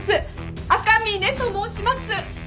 赤嶺と申します。